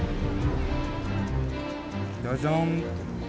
ジャジャン！